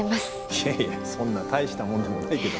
いやいやそんな大したもんでもないけど。